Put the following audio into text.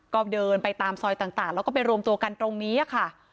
ก็เดินไปตามซอยต่างแล้วก็ไปรวมตัวกันตรงนี้ค่ะ